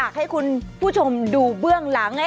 ให้คุณผู้ชมดูเบื้องหลัง